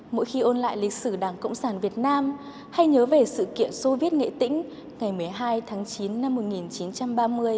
mỗi khi ôn lại lịch sử đảng cộng sản việt nam hay nhớ về sự kiện soviet nghệ tĩnh ngày một mươi hai tháng chín năm một nghìn chín trăm ba mươi